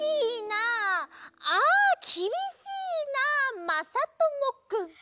ああきびしいなあ、まさともくん！」。